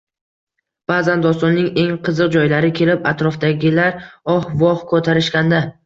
Baʼzan dostonning eng qiziq joylari kelib, atrofdagilar «oh-voh» koʼtarishganda